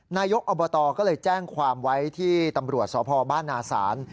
นายกอบตก็เลยแจ้งความไว้ที่ตำรวจสพบ้านนาศาล